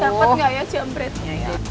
dapat nggak ya jambretnya